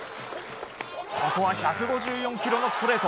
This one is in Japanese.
ここは１５４キロのストレート。